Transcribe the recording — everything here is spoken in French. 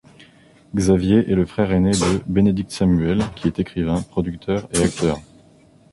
Xavier est le frère aîné de Benedict Samuel, qui est écrivain, producteur et acteur.